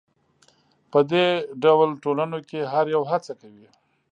په دې ډول ټولنو کې هر یو هڅه کوي.